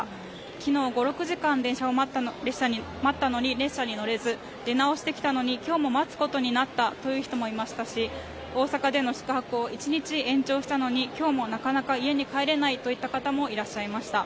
昨日５６時間列車を待ったのに列車に乗れず、出直してきたのに今日も待つことになったという人もいましたし大阪での宿泊を１日延長したのに今日もなかなか家に帰れないといった方もいました。